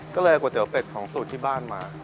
ก็เลยเอาก๋วเป็ดของสูตรที่บ้านมา